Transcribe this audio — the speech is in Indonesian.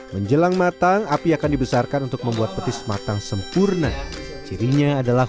menjelang matang api akan dibesarkan untuk membuat petis matang sempurna cirinya adalah